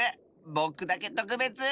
ぼくだけとくべつ！